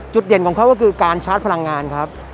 เด่นของเขาก็คือการชาร์จพลังงานครับ